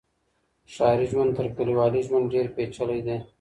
ښاري ژوند تر کلیوالي ژوند ډیر پیچلی دی.